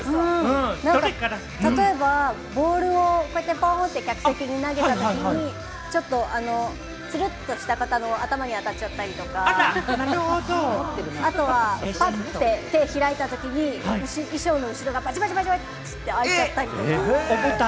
例えばボールをポン！って客席に投げたときに、つるっとした方の頭に当たっちゃったりとか、あとはパッて手を開いたときに衣装の後ろがバチバチバチって開いちゃったりとか。